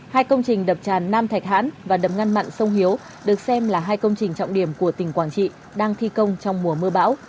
hai công trình đập tràn nam thạch hãn và đập ngăn mặn sông hiếu được xem là hai công trình trọng điểm của tỉnh quảng trị đang thi công trong mùa mưa bão